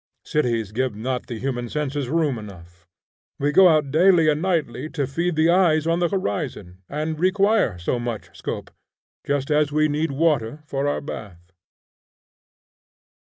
Cities give not the human senses room enough. We go out daily and nightly to feed the eyes on the horizon, and require so much scope, just as we need water for our bath.